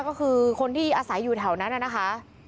ก็คือคนที่อาศัยอยู่แถวนั้นนะคะ